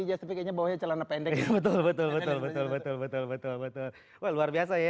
jasipnya bawah celana pendek betul betul betul betul betul betul betul betul luar biasa ya